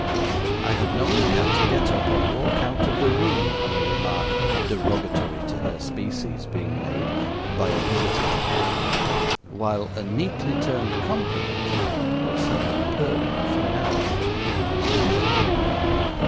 I have known a cat get up and walk out of the room on a remark derogatory to her species being made by a visitor, while a neatly turned compliment will set them purring for an hour.